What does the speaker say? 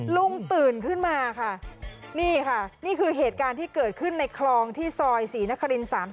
ตื่นขึ้นมาค่ะนี่ค่ะนี่คือเหตุการณ์ที่เกิดขึ้นในคลองที่ซอยศรีนคริน๓๐